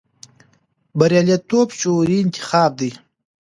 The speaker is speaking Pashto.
بریالیتوب شعوري انتخاب دی.